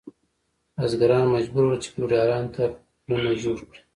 بزګران مجبور ول چې فیوډالانو ته پلونه جوړ کړي.